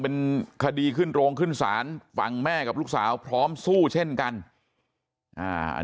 เป็นคดีขึ้นโรงขึ้นศาลฝั่งแม่กับลูกสาวพร้อมสู้เช่นกันอ่า